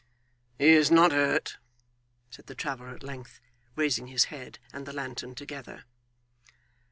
'He is not hurt,' said the traveller at length, raising his head and the lantern together.